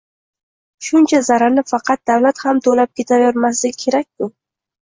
Shuncha zararni faqat davlat ham to‘lab ketavermasligi kerak-ku.